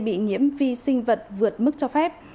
bị nhiễm vi sinh vật vượt mức cho phép